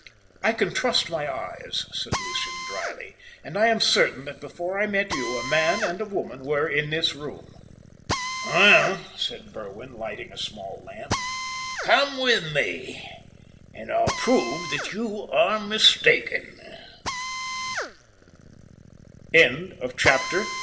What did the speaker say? "I can trust my eyes," said Lucian, drily, "and I am certain that before I met you a man and a woman were in this room." "Well," said Berwin, lighting a small lamp, "come with me and I'll prove that you are mistaken." CHAPTER IV MRS. KEB